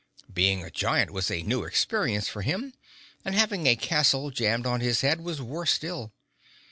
Being a giant was a new experience for him and having a castle jammed on his head was worse still.